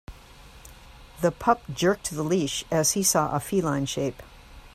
The pup jerked the leash as he saw a feline shape.